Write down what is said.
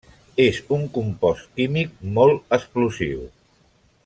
És un compost químic molt explosiu.